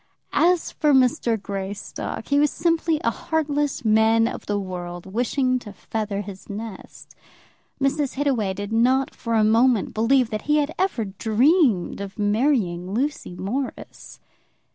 As for Mr. Greystock, he was simply a heartless man of the world, wishing to feather his nest. Mrs. Hittaway did not for a moment believe that he had ever dreamed of marrying Lucy Morris.